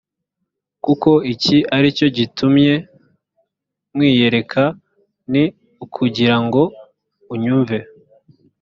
kuko iki ari cyo gitumye nkwiyereka ni ukugira ngo unyumve